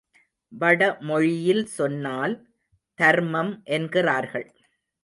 வடமொழியில் சொன்னால், தர்மம் என்கிறார்கள்.